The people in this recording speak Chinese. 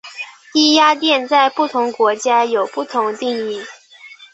低压电在不同国家有不同定义。